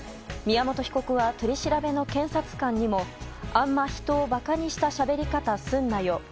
宮本被告は取り調べの検察官にもあんま人を馬鹿にしたしゃべり方すんなよ